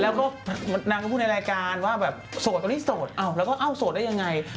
แล้วก็นางก็พูดในรายการว่าแบบโสดตอนนี้โสดอ้าวแล้วก็เอ้าโสดได้ยังไง